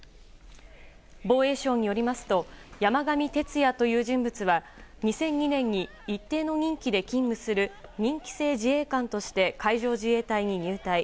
防衛省によりますと山上徹也という人物は２００２年に一定の任期で勤務する任期制自衛官として海上自衛隊に入隊。